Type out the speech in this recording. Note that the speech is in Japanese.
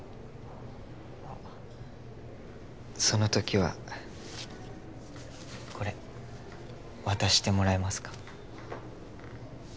あっその時はこれ渡してもらえますか？